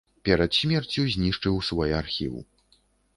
Перад смерцю знішчыў свой архіў.